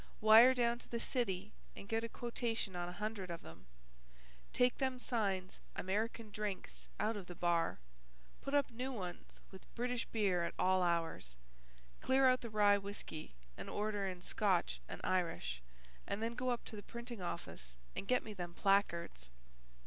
Wire down to the city and get a quotation on a hundred of them. Take them signs 'American Drinks' out of the bar. Put up noo ones with 'British Beer at all Hours'; clear out the rye whiskey and order in Scotch and Irish, and then go up to the printing office and get me them placards."